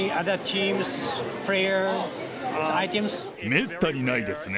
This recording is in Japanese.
めったにないですね。